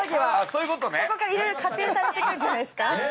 ここからいろいろ加点されていくんじゃないですか。